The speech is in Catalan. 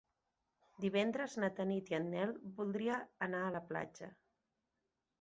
Divendres na Tanit i en Nel voldria anar a la platja.